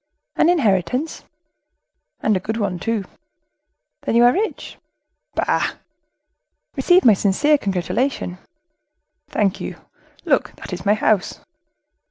"An inheritance?" "And a good one, too." "Then you are rich?" "Bah!" "Receive my sincere congratulation." "Thank you! Look, that is my house."